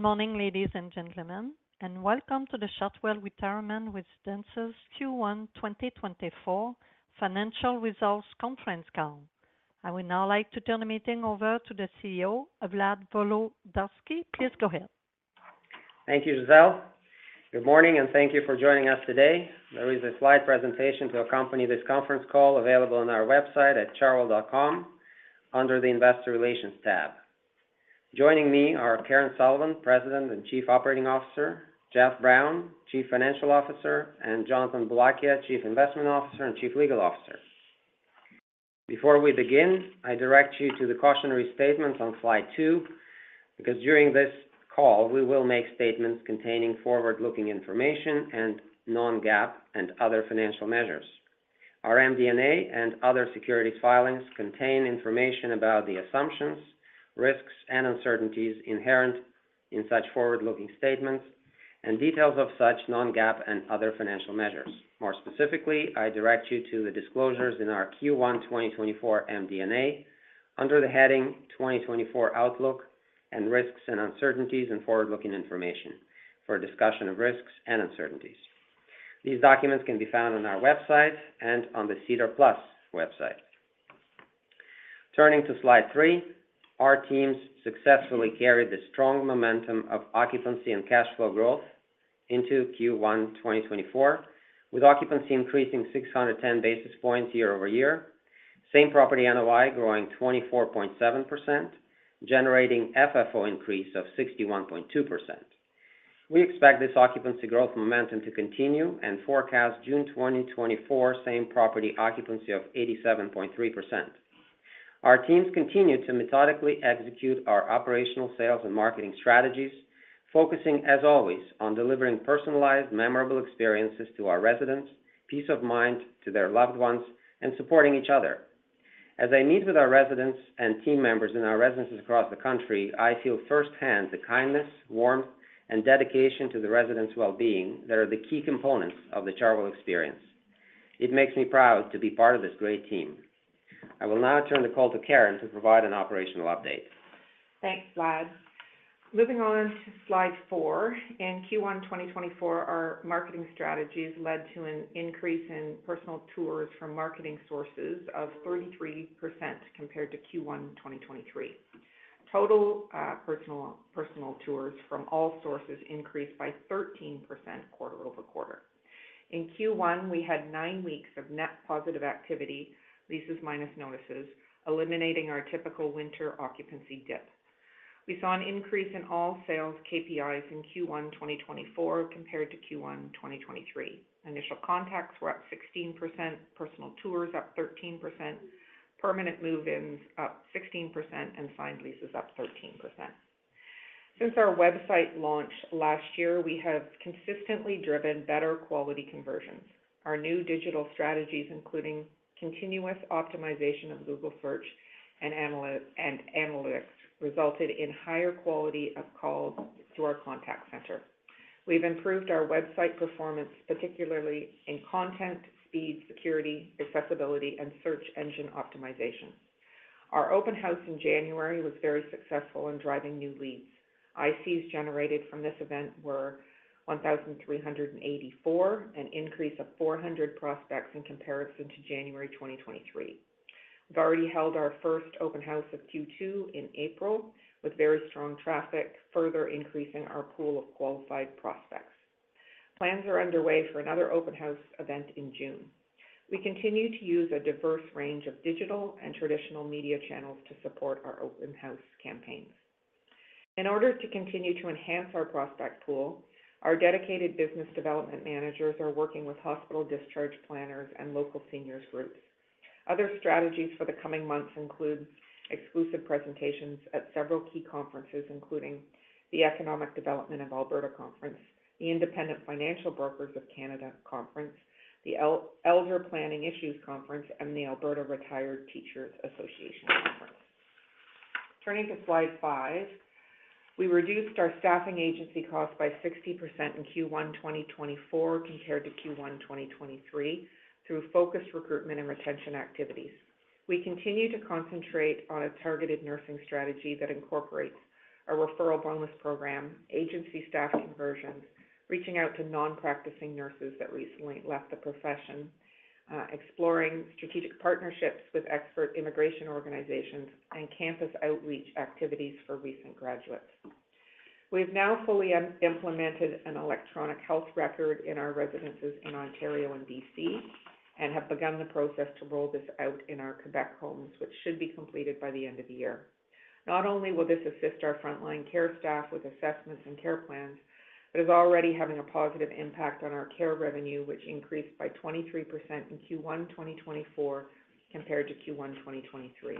Good morning, ladies and gentlemen, and welcome to the Chartwell Retirement Residences Q1 2024 financial results conference call. I would now like to turn the meeting over to the CEO, Vlad Volodarski. Please go ahead. Thank you, Giselle. Good morning, and thank you for joining us today. There is a slide presentation to accompany this conference call available on our website at chartwell.com under the Investor Relations tab. Joining me are Karen Sullivan, President and Chief Operating Officer, Jeff Brown, Chief Financial Officer, and Jonathan Boulakia, Chief Investment Officer and Chief Legal Officer. Before we begin, I direct you to the cautionary statements on slide two because during this call we will make statements containing forward-looking information and non-GAAP and other financial measures. Our MD&A and other securities filings contain information about the assumptions, risks, and uncertainties inherent in such forward-looking statements and details of such non-GAAP and other financial measures. More specifically, I direct you to the disclosures in our Q1 2024 MD&A under the heading "2024 Outlook and Risks and Uncertainties in Forward-Looking Information" for a discussion of risks and uncertainties. These documents can be found on our website and on the SEDAR+ website. Turning to slide three, our teams successfully carried the strong momentum of occupancy and cash flow growth into Q1 2024 with occupancy increasing 610 basis points year-over-year, same property NOI growing 24.7%, generating FFO increase of 61.2%. We expect this occupancy growth momentum to continue and forecast June 2024 same property occupancy of 87.3%. Our teams continue to methodically execute our operational sales and marketing strategies focusing, as always, on delivering personalized, memorable experiences to our residents, peace of mind to their loved ones, and supporting each other. As I meet with our residents and team members in our residences across the country, I feel firsthand the kindness, warmth, and dedication to the residents' well-being that are the key components of the Chartwell experience. It makes me proud to be part of this great team. I will now turn the call to Karen to provide an operational update. Thanks, Vlad. Moving on to slide four. In Q1 2024, our marketing strategies led to an increase in personal tours from marketing sources of 33% compared to Q1 2023. Total personal tours from all sources increased by 13% quarter-over-quarter. In Q1, we had nine weeks of net positive activity, leases minus notices, eliminating our typical winter occupancy dip. We saw an increase in all sales KPIs in Q1 2024 compared to Q1 2023. Initial contacts were up 16%, personal tours up 13%, permanent move-ins up 16%, and signed leases up 13%. Since our website launched last year, we have consistently driven better quality conversions. Our new digital strategies, including continuous optimization of Google Search and analytics, resulted in higher quality of calls to our contact center. We've improved our website performance, particularly in content, speed, security, accessibility, and search engine optimization. Our open house in January was very successful in driving new leads. ICs generated from this event were 1,384, an increase of 400 prospects in comparison to January 2023. We've already held our first open house of Q2 in April with very strong traffic, further increasing our pool of qualified prospects. Plans are underway for another open house event in June. We continue to use a diverse range of digital and traditional media channels to support our open house campaigns. In order to continue to enhance our prospect pool, our dedicated business development managers are working with hospital discharge planners and local seniors groups. Other strategies for the coming months include exclusive presentations at several key conferences, including the Economic Developers Alberta Conference, the Independent Financial Brokers of Canada Conference, the Elder Planning Issues Conference, and the Alberta Retired Teachers' Association Conference. Turning to slide five, we reduced our staffing agency costs by 60% in Q1 2024 compared to Q1 2023 through focused recruitment and retention activities. We continue to concentrate on a targeted nursing strategy that incorporates a referral bonus program, agency staff conversions, reaching out to non-practicing nurses that recently left the profession, exploring strategic partnerships with expert immigration organizations, and campus outreach activities for recent graduates. We have now fully implemented an electronic health record in our residences in Ontario and BC and have begun the process to roll this out in our Quebec homes, which should be completed by the end of the year. Not only will this assist our frontline care staff with assessments and care plans, but it's already having a positive impact on our care revenue, which increased by 23% in Q1 2024 compared to Q1 2023.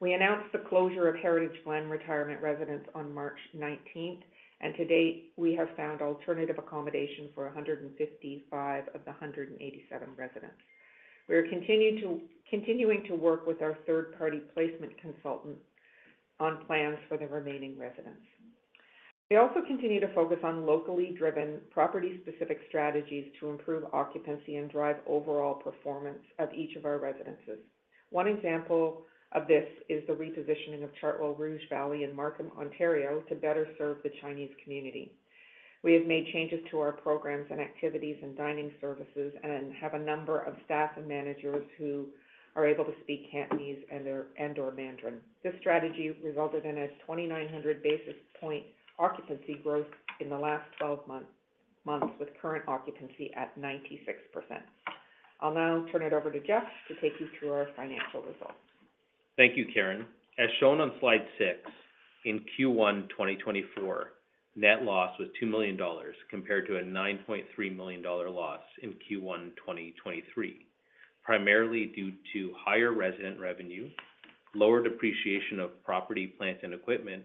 We announced the closure of Chartwell Heritage Glen Retirement Residence on March 19th, and to date, we have found alternative accommodation for 155 of the 187 residents. We are continuing to work with our third-party placement consultant on plans for the remaining residents. We also continue to focus on locally driven, property-specific strategies to improve occupancy and drive overall performance of each of our residences. One example of this is the repositioning of Chartwell Rouge Valley in Markham, Ontario, to better serve the Chinese community. We have made changes to our programs and activities and dining services and have a number of staff and managers who are able to speak Cantonese and/or Mandarin. This strategy resulted in a 2,900 basis point occupancy growth in the last 12 months with current occupancy at 96%. I'll now turn it over to Jeff to take you through our financial results. Thank you, Karen. As shown on slide six, in Q1 2024, net loss was 2 million dollars compared to a 9.3 million dollar loss in Q1 2023, primarily due to higher resident revenue, lower depreciation of property, plants, and equipment,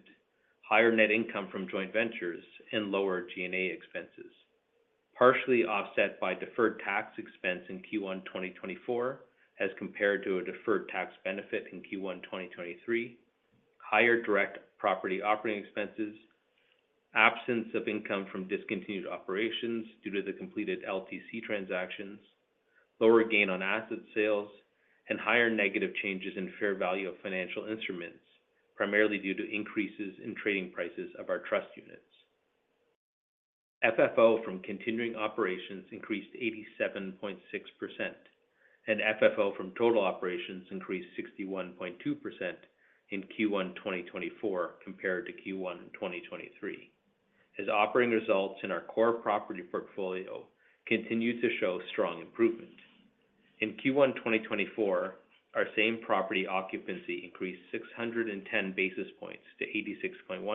higher net income from joint ventures, and lower G&A expenses. Partially offset by deferred tax expense in Q1 2024 as compared to a deferred tax benefit in Q1 2023, higher direct property operating expenses, absence of income from discontinued operations due to the completed LTC transactions, lower gain on asset sales, and higher negative changes in fair value of financial instruments, primarily due to increases in trading prices of our trust units. FFO from continuing operations increased 87.6%, and FFO from total operations increased 61.2% in Q1 2024 compared to Q1 2023, as operating results in our core property portfolio continue to show strong improvement. In Q1 2024, our same property occupancy increased 610 basis points to 86.1%,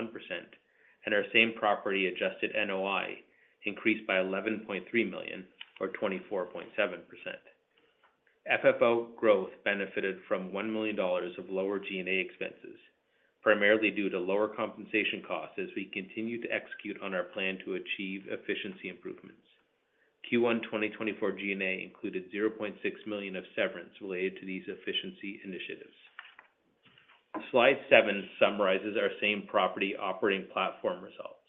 and our same property Adjusted NOI increased by 11.3 million or 24.7%. FFO growth benefited from 1 million dollars of lower G&A expenses, primarily due to lower compensation costs as we continue to execute on our plan to achieve efficiency improvements. Q1 2024 G&A included 0.6 million of severance related to these efficiency initiatives. Slide seven summarizes our same property operating platform results.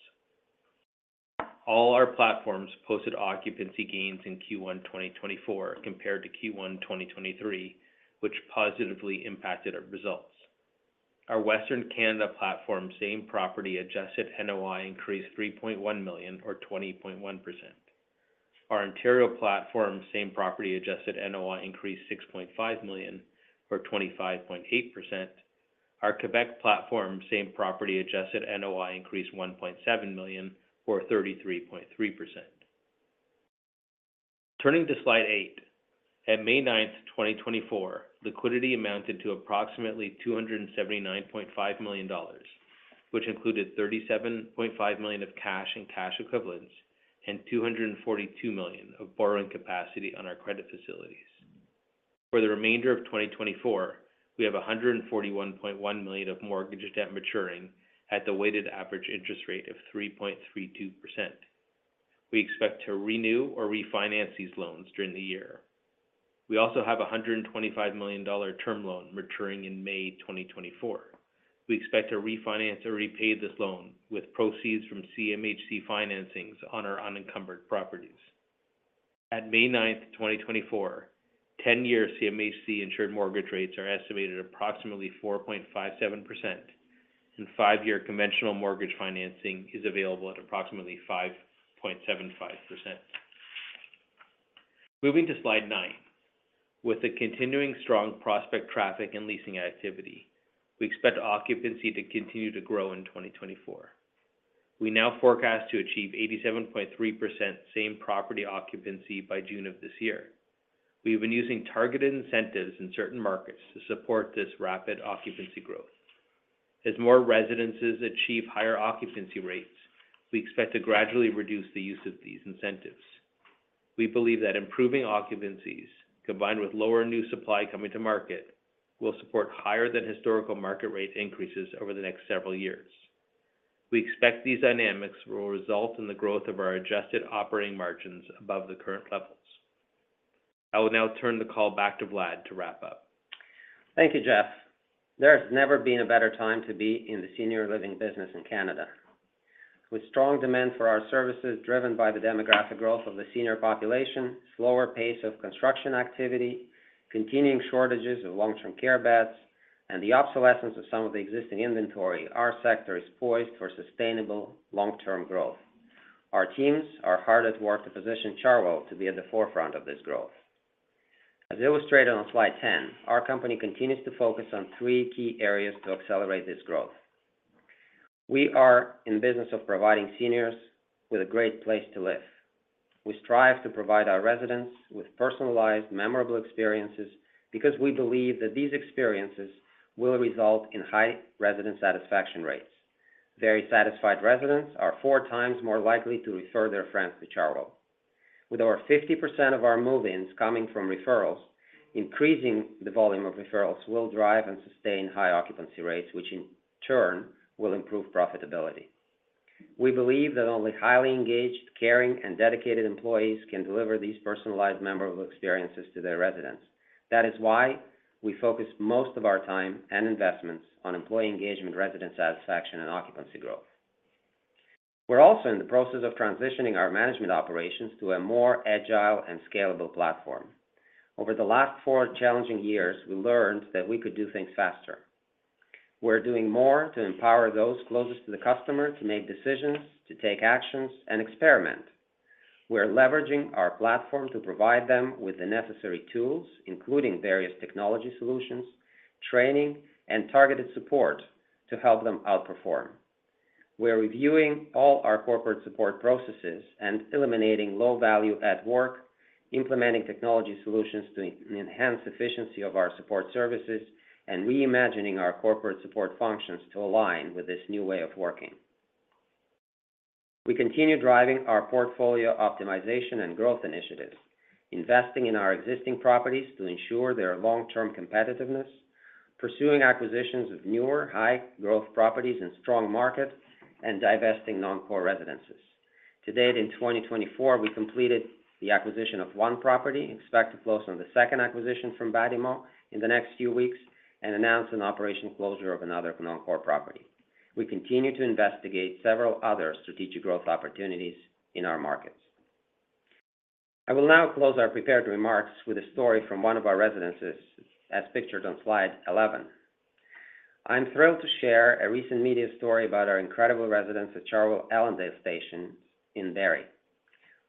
All our platforms posted occupancy gains in Q1 2024 compared to Q1 2023, which positively impacted our results. Our Western Canada platform, same property Adjusted NOI increased 3.1 million or 20.1%. Our Ontario platform, same property Adjusted NOI increased 6.5 million or 25.8%. Our Quebec platform, same property Adjusted NOI increased 1.7 million or 33.3%. Turning to slide eight, at May 9th, 2024, liquidity amounted to approximately 279.5 million dollars, which included 37.5 million of cash and cash equivalents and 242 million of borrowing capacity on our credit facilities. For the remainder of 2024, we have 141.1 million of mortgage debt maturing at the weighted average interest rate of 3.32%. We expect to renew or refinance these loans during the year. We also have a 125 million dollar term loan maturing in May 2024. We expect to refinance or repay this loan with proceeds from CMHC financings on our unencumbered properties. At May 9th, 2024, 10-year CMHC insured mortgage rates are estimated at approximately 4.57%, and five-year conventional mortgage financing is available at approximately 5.75%. Moving to slide nine, with the continuing strong prospect traffic and leasing activity, we expect occupancy to continue to grow in 2024. We now forecast to achieve 87.3% Same Property occupancy by June of this year. We have been using targeted incentives in certain markets to support this rapid occupancy growth. As more residences achieve higher occupancy rates, we expect to gradually reduce the use of these incentives. We believe that improving occupancies, combined with lower new supply coming to market, will support higher-than-historical market rate increases over the next several years. We expect these dynamics will result in the growth of our adjusted operating margins above the current levels. I will now turn the call back to Vlad to wrap up. Thank you, Jeff. There has never been a better time to be in the senior living business in Canada. With strong demand for our services driven by the demographic growth of the senior population, slower pace of construction activity, continuing shortages of long-term care beds, and the obsolescence of some of the existing inventory, our sector is poised for sustainable long-term growth. Our teams are hard at work to position Chartwell to be at the forefront of this growth. As illustrated on slide 10, our company continues to focus on three key areas to accelerate this growth. We are in business of providing seniors with a great place to live. We strive to provide our residents with personalized, memorable experiences because we believe that these experiences will result in high resident satisfaction rates. Very satisfied residents are four times more likely to refer their friends to Chartwell. With over 50% of our move-ins coming from referrals, increasing the volume of referrals will drive and sustain high occupancy rates, which in turn will improve profitability. We believe that only highly engaged, caring, and dedicated employees can deliver these personalized, memorable experiences to their residents. That is why we focus most of our time and investments on employee engagement, resident satisfaction, and occupancy growth. We're also in the process of transitioning our management operations to a more agile and scalable platform. Over the last four challenging years, we learned that we could do things faster. We're doing more to empower those closest to the customer to make decisions, to take actions, and experiment. We're leveraging our platform to provide them with the necessary tools, including various technology solutions, training, and targeted support to help them outperform. We're reviewing all our corporate support processes and eliminating low value-add work, implementing technology solutions to enhance efficiency of our support services, and reimagining our corporate support functions to align with this new way of working. We continue driving our portfolio optimization and growth initiatives, investing in our existing properties to ensure their long-term competitiveness, pursuing acquisitions of newer, high-growth properties in strong markets, and divesting non-core residences. To date in 2024, we completed the acquisition of one property, expect to close on the second acquisition from Bâtimo in the next few weeks, and announce an operation closure of another non-core property. We continue to investigate several other strategic growth opportunities in our markets. I will now close our prepared remarks with a story from one of our residences, as pictured on slide 11. I'm thrilled to share a recent media story about our incredible residents at Chartwell Allandale Station in Barrie.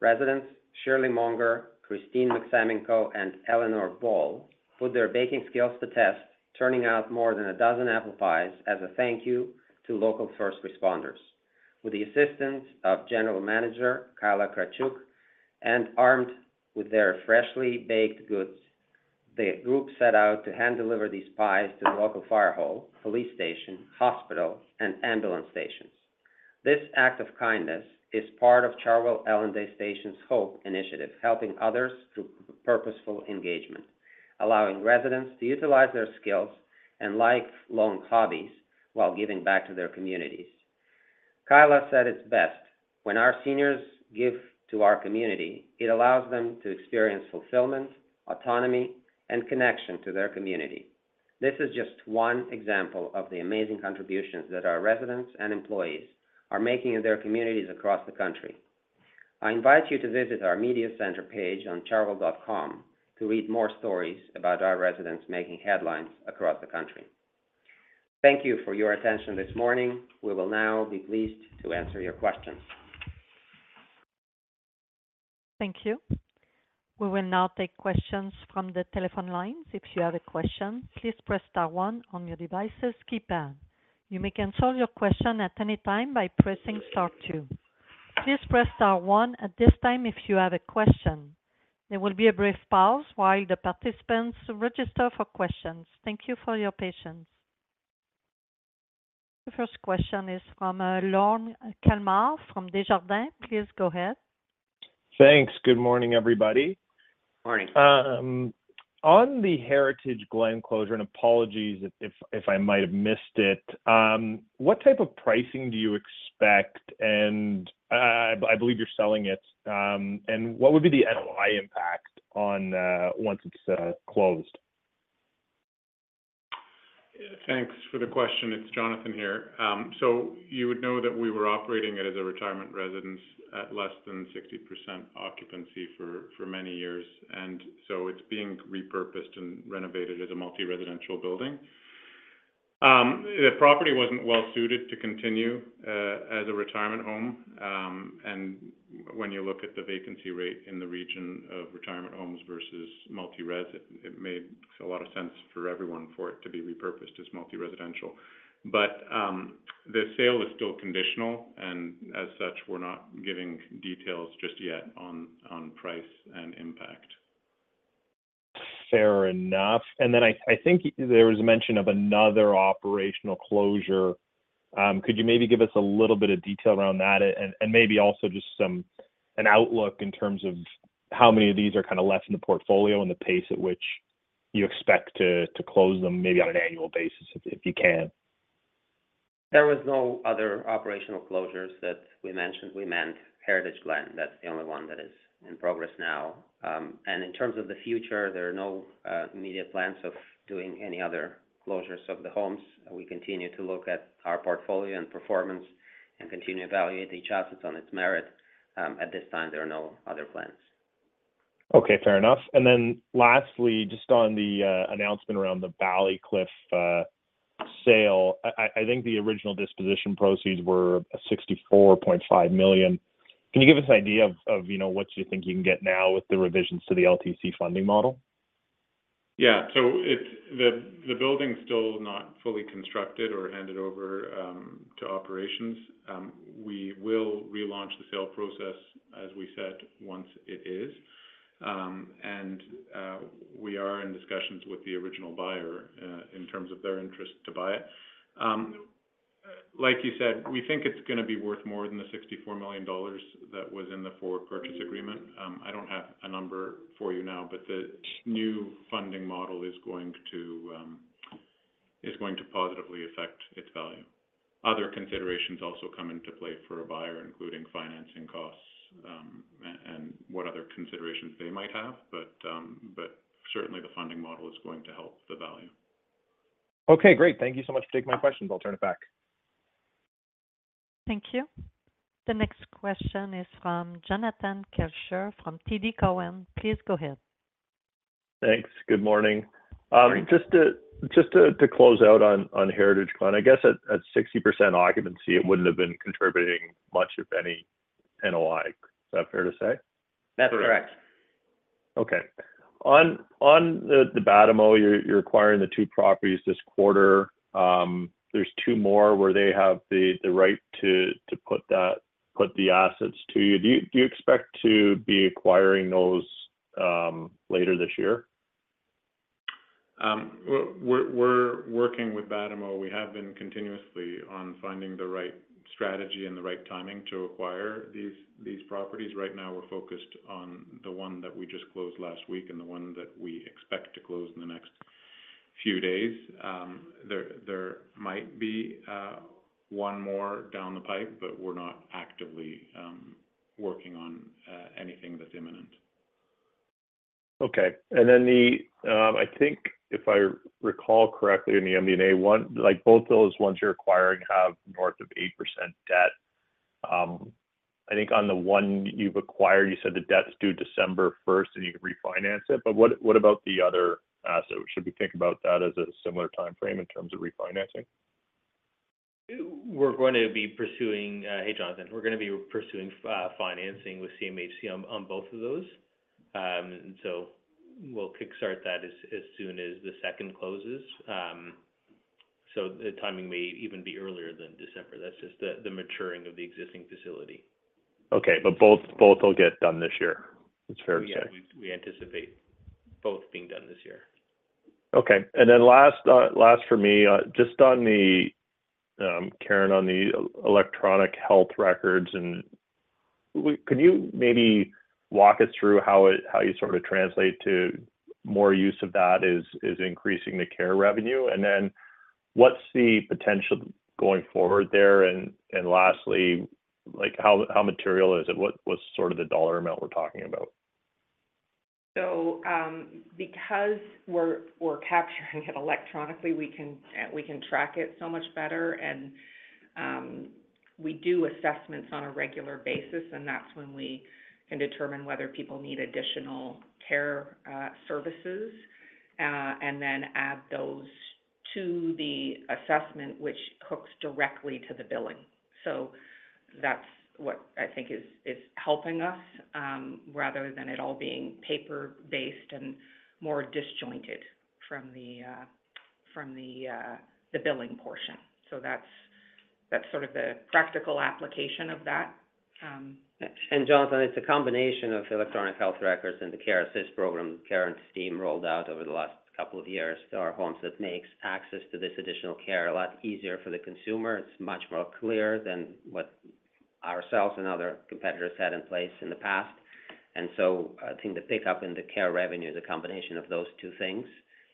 Residents Shirley Monger, Christine Maxamenko, and Eleanor Ball put their baking skills to test, turning out more than a dozen apple pies as a thank you to local first responders. With the assistance of General Manager Kyla Krawczyk and armed with their freshly baked goods, the group set out to hand-deliver these pies to the local fire hall, police station, hospital, and ambulance stations. This act of kindness is part of Chartwell Allandale Station's HOPE initiative, helping others through purposeful engagement, allowing residents to utilize their skills and lifelong hobbies while giving back to their communities. Kyla said it's best. When our seniors give to our community, it allows them to experience fulfillment, autonomy, and connection to their community. This is just one example of the amazing contributions that our residents and employees are making in their communities across the country. I invite you to visit our Media Center page on Chartwell.com to read more stories about our residents making headlines across the country. Thank you for your attention this morning. We will now be pleased to answer your questions. Thank you. We will now take questions from the telephone lines. If you have a question, please press star one on your device's keypad. You may answer your question at any time by pressing star two. Please press star one at this time if you have a question. There will be a brief pause while the participants register for questions. Thank you for your patience. The first question is from Lorne Kalmar from Desjardins. Please go ahead. Thanks. Good morning, everybody. Morning. On the Heritage Glen closure, and apologies if I might have missed it, what type of pricing do you expect? I believe you're selling it. What would be the NOI impact once it's closed? Thanks for the question. It's Jonathan here. So you would know that we were operating it as a retirement residence at less than 60% occupancy for many years. And so it's being repurposed and renovated as a multi-residential building. The property wasn't well suited to continue as a retirement home. And when you look at the vacancy rate in the region of retirement homes versus multi-res, it makes a lot of sense for everyone for it to be repurposed as multi-residential. But the sale is still conditional. And as such, we're not giving details just yet on price and impact. Fair enough. And then I think there was a mention of another operational closure. Could you maybe give us a little bit of detail around that and maybe also just an outlook in terms of how many of these are kind of left in the portfolio and the pace at which you expect to close them, maybe on an annual basis if you can? There was no other operational closures that we mentioned. We meant Heritage Glen. That's the only one that is in progress now. In terms of the future, there are no immediate plans of doing any other closures of the homes. We continue to look at our portfolio and performance and continue to evaluate each asset on its merit. At this time, there are no other plans. Okay. Fair enough. And then lastly, just on the announcement around the Ballycliffe sale, I think the original disposition proceeds were 64.5 million. Can you give us an idea of what you think you can get now with the revisions to the LTC funding model? Yeah. So the building's still not fully constructed or handed over to operations. We will relaunch the sale process, as we said, once it is. And we are in discussions with the original buyer in terms of their interest to buy it. Like you said, we think it's going to be worth more than the 64 million dollars that was in the forward purchase agreement. I don't have a number for you now, but the new funding model is going to positively affect its value. Other considerations also come into play for a buyer, including financing costs and what other considerations they might have. But certainly, the funding model is going to help the value. Okay. Great. Thank you so much for taking my questions. I'll turn it back. Thank you. The next question is from Jonathan Kelcher from TD Cowen. Please go ahead. Thanks. Good morning. Just to close out on Heritage Glen, I guess at 60% occupancy, it wouldn't have been contributing much, if any, NOI. Is that fair to say? That's correct. Okay. On the Bâtimo, you're acquiring the two properties this quarter. There's two more where they have the right to put the assets to you. Do you expect to be acquiring those later this year? We're working with Bâtimo. We have been continuously on finding the right strategy and the right timing to acquire these properties. Right now, we're focused on the one that we just closed last week and the one that we expect to close in the next few days. There might be one more down the pipe, but we're not actively working on anything that's imminent. Okay. And then I think, if I recall correctly, in the MD&A one, both those ones you're acquiring have north of 8% debt. I think on the one you've acquired, you said the debt's due December 1st, and you can refinance it. But what about the other asset? Should we think about that as a similar timeframe in terms of refinancing? We're going to be pursuing, hey, Jonathan. We're going to be pursuing financing with CMHC on both of those. And so we'll kick-start that as soon as the second closes. So the timing may even be earlier than December. That's just the maturing of the existing facility. Okay. But both will get done this year. It's fair to say. Yeah. We anticipate both being done this year. Okay. And then last for me, just on the Karen, on the electronic health records, can you maybe walk us through how you sort of translate to more use of that as increasing the care revenue? And then what's the potential going forward there? And lastly, how material is it? What's sort of the dollar amount we're talking about? Because we're capturing it electronically, we can track it so much better. We do assessments on a regular basis. That's when we can determine whether people need additional care services and then add those to the assessment, which hooks directly to the billing. That's what I think is helping us rather than it all being paper-based and more disjointed from the billing portion. That's sort of the practical application of that. And Jonathan, it's a combination of electronic health records and the Care Assist program, Karen's team rolled out over the last couple of years. Our homes that makes access to this additional care a lot easier for the consumer. It's much more clear than what ourselves and other competitors had in place in the past. And so I think the pickup in the care revenue is a combination of those two things,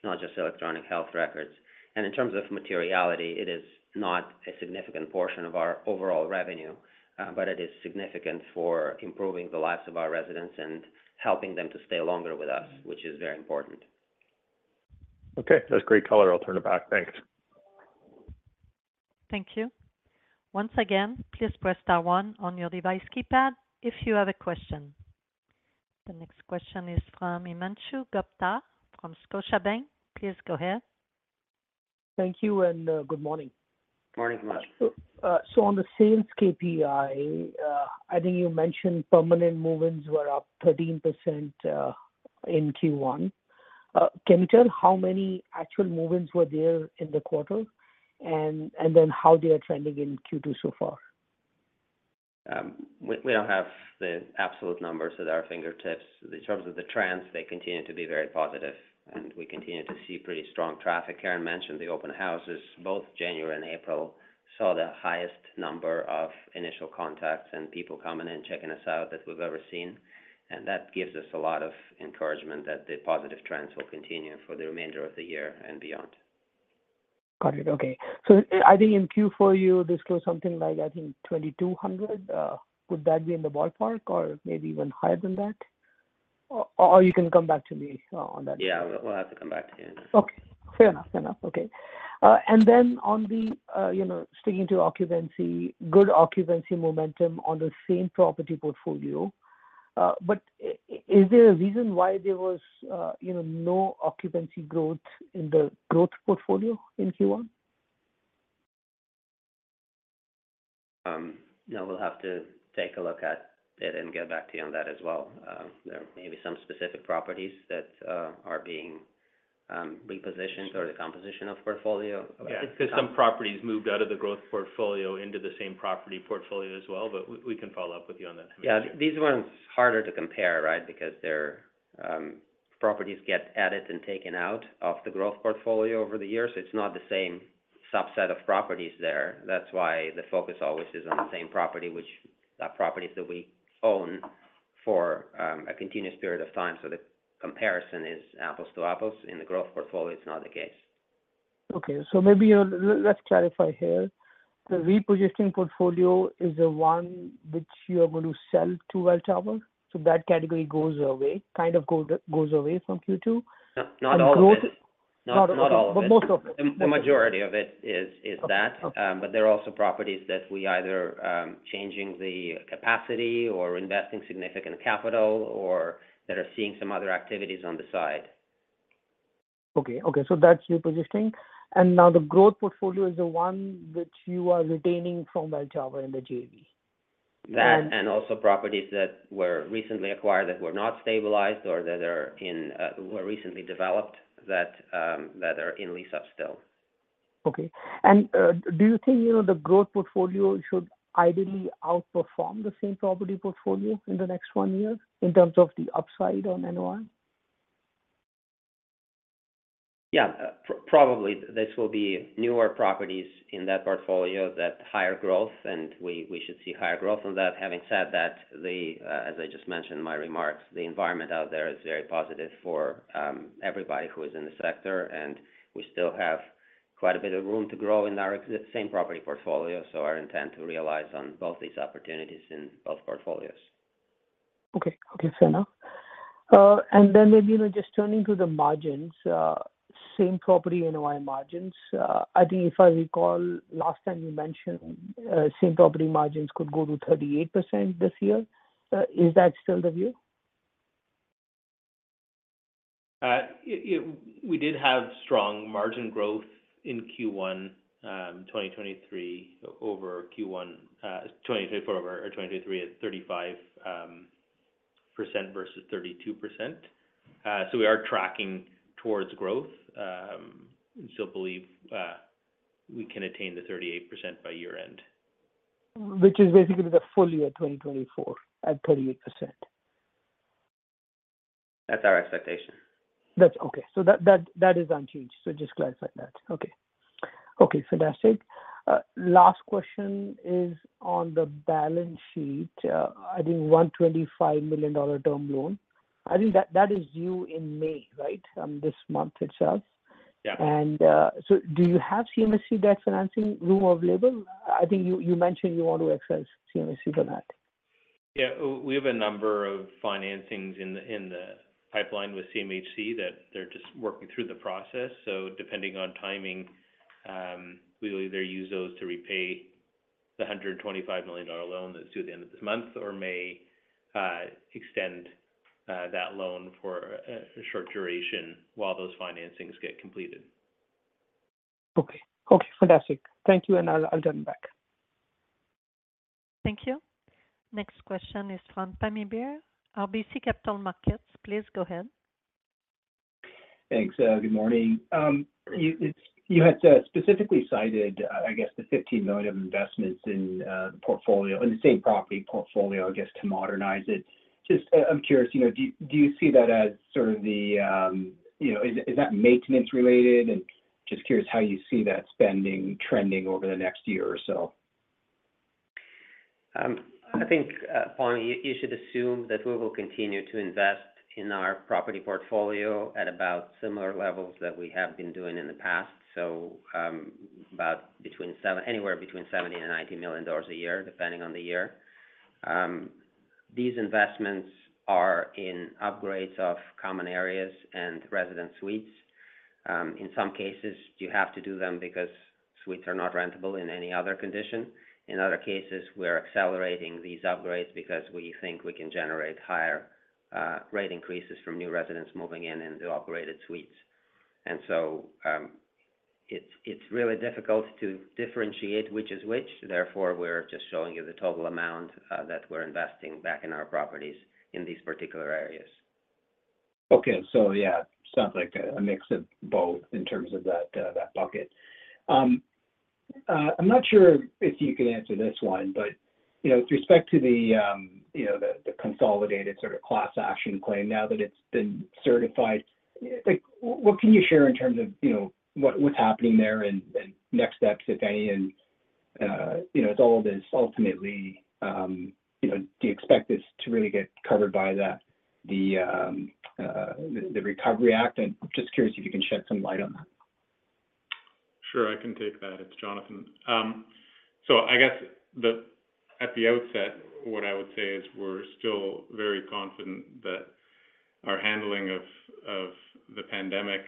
not just electronic health records. And in terms of materiality, it is not a significant portion of our overall revenue, but it is significant for improving the lives of our residents and helping them to stay longer with us, which is very important. Okay. That's great color. I'll turn it back. Thanks. Thank you. Once again, please press star one on your device keypad if you have a question. The next question is from Himanshu Gupta from Scotiabank. Please go ahead. Thank you and good morning. Morning to Himanshu. So on the sales KPI, I think you mentioned permanent move-ins were up 13% in Q1. Can you tell how many actual move-ins were there in the quarter and then how they are trending in Q2 so far? We don't have the absolute numbers at our fingertips. In terms of the trends, they continue to be very positive, and we continue to see pretty strong traffic. Karen mentioned the open houses. Both January and April saw the highest number of initial contacts and people coming in checking us out that we've ever seen. That gives us a lot of encouragement that the positive trends will continue for the remainder of the year and beyond. Got it. Okay. So I think in Q4, you disclosed something like, I think, 2,200. Would that be in the ballpark or maybe even higher than that? Or you can come back to me on that. Yeah. We'll have to come back to you. Okay. Fair enough. Fair enough. Okay. And then on the sticking to occupancy, good occupancy momentum on the same property portfolio. But is there a reason why there was no occupancy growth in the growth portfolio in Q1? No. We'll have to take a look at it and get back to you on that as well. There may be some specific properties that are being repositioned or the composition of portfolio. Yeah. Because some properties moved out of the growth portfolio into the same property portfolio as well. But we can follow up with you on that. Yeah. These ones are harder to compare, right, because properties get added and taken out of the growth portfolio over the years. So it's not the same subset of properties there. That's why the focus always is on the same property, which that property is that we own for a continuous period of time. So the comparison is apples to apples. In the growth portfolio, it's not the case. Okay. So maybe let's clarify here. The repositioning portfolio is the one which you are going to sell to Welltower. So that category goes away, kind of goes away from Q2. Not all of it. Not all of it. But most of it. The majority of it is that. But there are also properties that we're either changing the capacity or investing significant capital or that are seeing some other activities on the side. Okay. Okay. That's repositioning. Now the growth portfolio is the one which you are retaining from Welltower and the JV. That and also properties that were recently acquired that were not stabilized or that were recently developed that are in lease-up still. Okay. Do you think the growth portfolio should ideally outperform the same property portfolio in the next one year in terms of the upside on NOI? Yeah. Probably. This will be newer properties in that portfolio that have higher growth, and we should see higher growth on that. Having said that, as I just mentioned in my remarks, the environment out there is very positive for everybody who is in the sector. And we still have quite a bit of room to grow in our same property portfolio. So our intent is to realize both these opportunities in both portfolios. Okay. Okay. Fair enough. And then maybe just turning to the margins, Same Property NOI margins. I think if I recall, last time you mentioned Same Property margins could go to 38% this year. Is that still the view? We did have strong margin growth in Q1 2023 over Q1 2024 or 2023 at 35% versus 32%. We are tracking towards growth and still believe we can attain the 38% by year-end. Which is basically the full year 2024 at 38%. That's our expectation. Okay. So that is unchanged. So just clarifying that. Okay. Okay. Fantastic. Last question is on the balance sheet. I think 125 million dollar term loan. I think that is due in May, right, this month itself. And so do you have CMHC debt financing room available? I think you mentioned you want to access CMHC for that. Yeah. We have a number of financings in the pipeline with CMHC that they're just working through the process. So depending on timing, we'll either use those to repay the 125 million dollar loan that's due at the end of this month or may extend that loan for a short duration while those financings get completed. Okay. Okay. Fantastic. Thank you. And I'll turn back. Thank you. Next question is from Pammi Bir, RBC Capital Markets. Please go ahead. Thanks. Good morning. You had specifically cited, I guess, the 15 million of investments in the same property portfolio, I guess, to modernize it. Just, I'm curious, do you see that as sort of the is that maintenance-related? And just curious how you see that spending trending over the next year or so? I think, Pammi, you should assume that we will continue to invest in our property portfolio at about similar levels that we have been doing in the past, so anywhere between 70 million and 90 million dollars a year, depending on the year. These investments are in upgrades of common areas and resident suites. In some cases, you have to do them because suites are not rentable in any other condition. In other cases, we're accelerating these upgrades because we think we can generate higher rate increases from new residents moving in into upgraded suites. And so it's really difficult to differentiate which is which. Therefore, we're just showing you the total amount that we're investing back in our properties in these particular areas. Okay. So yeah, it sounds like a mix of both in terms of that bucket. I'm not sure if you can answer this one, but with respect to the consolidated sort of class action claim, now that it's been certified, what can you share in terms of what's happening there and next steps, if any? And as all of this ultimately, do you expect this to really get covered by the Recovery Act? And just curious if you can shed some light on that. Sure. I can take that. It's Jonathan. So I guess at the outset, what I would say is we're still very confident that our handling of the pandemic,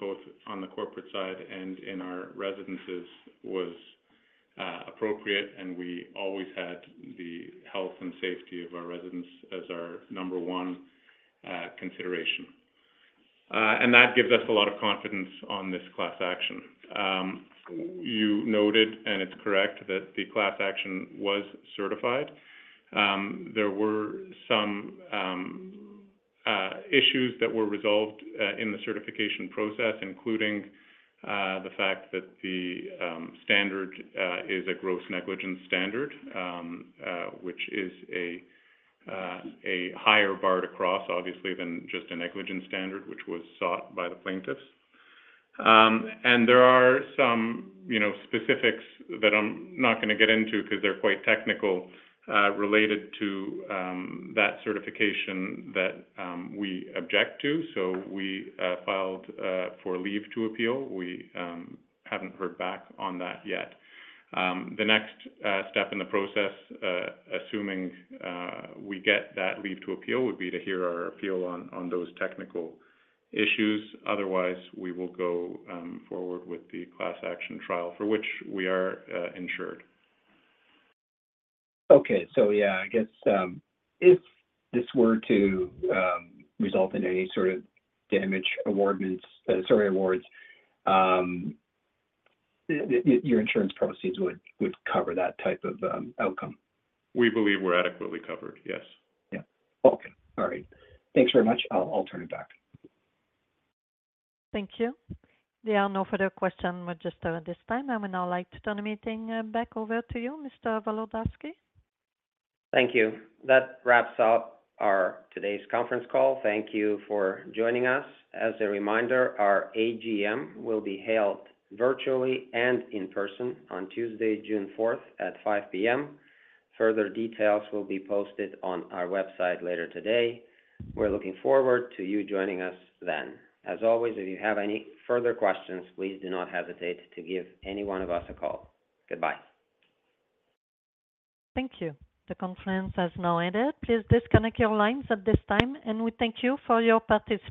both on the corporate side and in our residences, was appropriate. We always had the health and safety of our residents as our number one consideration. That gives us a lot of confidence on this class action. You noted, and it's correct, that the class action was certified. There were some issues that were resolved in the certification process, including the fact that the standard is a gross negligence standard, which is a higher bar across, obviously, than just a negligence standard, which was sought by the plaintiffs. There are some specifics that I'm not going to get into because they're quite technical related to that certification that we object to. So we filed for leave to appeal. We haven't heard back on that yet. The next step in the process, assuming we get that leave to appeal, would be to hear our appeal on those technical issues. Otherwise, we will go forward with the class action trial for which we are insured. Okay. So yeah, I guess if this were to result in any sort of damage awardments sorry, awards, your insurance proceeds would cover that type of outcome. We believe we're adequately covered. Yes. Yeah. Okay. All right. Thanks very much. I'll turn it back. Thank you. There are no further questions registered at this time. I would now like to turn the meeting back over to you, Mr. Volodarski. Thank you. That wraps up our today's conference call. Thank you for joining us. As a reminder, our AGM will be held virtually and in person on Tuesday, June 4th, at 5:00 P.M. Further details will be posted on our website later today. We're looking forward to you joining us then. As always, if you have any further questions, please do not hesitate to give any one of us a call. Goodbye. Thank you. The conference has now ended. Please disconnect your lines at this time. We thank you for your participation.